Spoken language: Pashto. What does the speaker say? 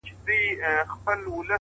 مهرباني د انسان تر ټولو نرم ځواک دی؛